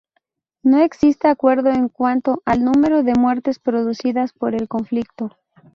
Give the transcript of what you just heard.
No existe acuerdo en cuanto al número de muertes producidas por el conflicto.